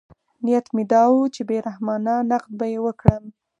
نیت مې دا و چې بې رحمانه نقد به یې وکړم.